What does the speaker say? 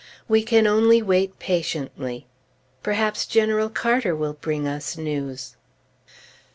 We can only wait patiently. Perhaps General Carter will bring us news.